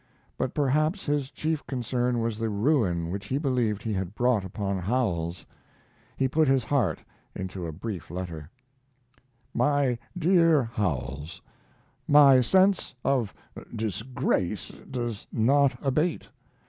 But perhaps his chief concern was the ruin which he believed he had brought upon Howells. He put his heart into a brief letter: MY DEAR HOWELLS, My sense of disgrace does not abate.